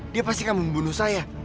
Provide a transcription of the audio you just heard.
dia pasti akan membunuh saya